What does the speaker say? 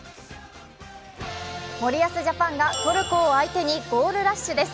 森保ジャパンがトルコを相手にゴールラッシュです。